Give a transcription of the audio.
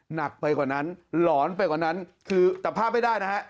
หนักไปกว่านั้นหลอนไปกว่านั้นคือจับภาพไม่ได้นะฮะ